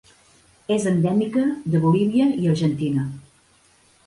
És endèmica de Bolívia i Argentina.